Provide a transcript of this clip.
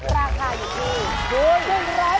ราคาอยู่ที่๑๘๙